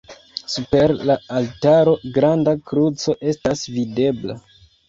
Super la altaro granda kruco estas videbla.